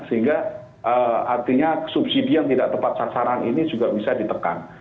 sehingga artinya subsidi yang tidak tepat sasaran ini juga bisa ditekan